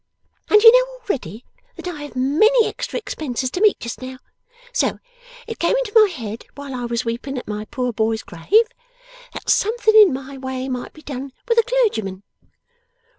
And you know already that I have many extra expenses to meet just now. So, it came into my head while I was weeping at my poor boy's grave, that something in my way might be done with a clergyman.